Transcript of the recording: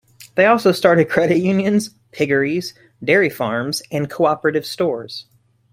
They also started credit unions, piggeries, dairy farms, and co-operative stores.